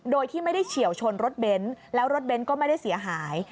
โดยที่ไม่ได้เฉียวชนรถเบนท์แล้วรถเบนท์ก็ไม่ได้เสียหาย